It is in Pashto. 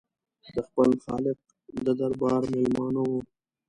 د خپل خالق د دربار مېلمانه وي.